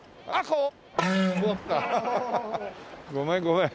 ごめんごめん。